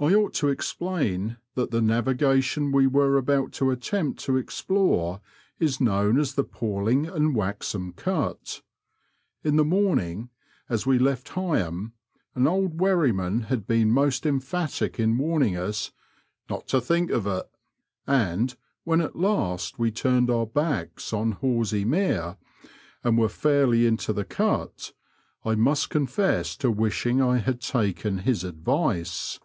I ought to explain that the navigation we were about to attempt to explore is known as the Palling and Waxham Cut. In the morning, as we left Heigham, an old wherryman had been most emphatic in warning us '* not to think of it," and Digitized by VjOOQIC 80 , BBOADS AND RIVERS OF NORFOLK AND SUFFOLK. when at last we turned our backs on Horsey Mere, and were fairly into the Cut, I must confess to wishing I had taken his adyice.